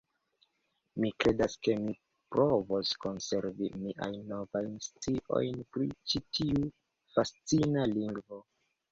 Mi kredas ke mi provos konservi miajn novajn sciojn pri ĉi tiu fascina lingvo.